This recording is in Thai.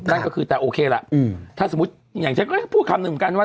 นั่นก็คือแต่โอเคล่ะถ้าสมมุติอย่างฉันก็พูดคำหนึ่งเหมือนกันว่า